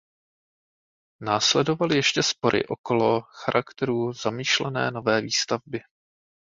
Následovaly ještě spory okolo charakteru zamýšlené nové výstavby.